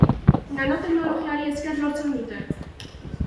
Nanoteknologiari esker lortzen dute.